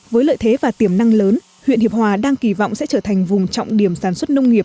với lợi thế và tiềm năng lớn huyện hiệp hòa đang kỳ vọng sẽ trở thành vùng trọng điểm sản xuất nông nghiệp